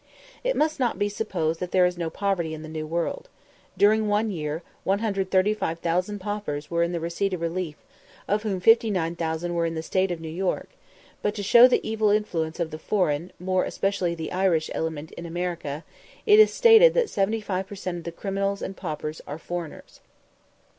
It must not be supposed that there is no poverty in the New World. During one year 134,972 paupers were in the receipt of relief, of whom 59,000 were in the State of New York; but to show the evil influence of the foreign, more especially the Irish, element in America, it is stated that 75 per cent. of the criminals and paupers are foreigners.